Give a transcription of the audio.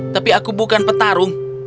tapi aku bukan petarung